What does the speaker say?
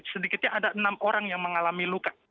sedikitnya ada enam orang yang mengalami luka